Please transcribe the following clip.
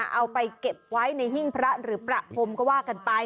เอาไปเก็บไว้ในหิ้งพระหรือประพรมก็ว่ากันไป